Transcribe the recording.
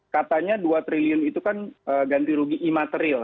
katanya dua triliun itu kan ganti rugi imaterial